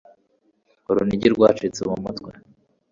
urunigi rwacitse mu mutwe